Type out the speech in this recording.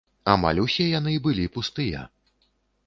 Амаль усе яны былі пустыя!